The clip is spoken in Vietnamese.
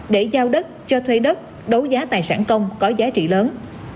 để giao đất cho thuê đất đấu giá tài sản công có giá trị lớn